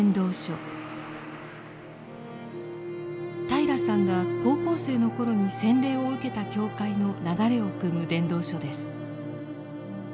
平良さんが高校生の頃に洗礼を受けた教会の流れをくむ伝道所です。